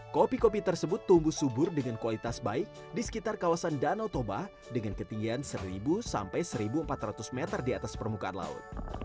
kopi kopi tersebut tumbuh subur dengan kualitas baik di sekitar kawasan danau toba dengan ketinggian seribu sampai seribu empat ratus meter di atas permukaan laut